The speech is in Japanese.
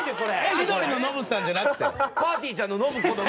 千鳥のノブさんじゃなくて。